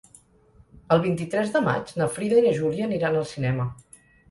El vint-i-tres de maig na Frida i na Júlia aniran al cinema.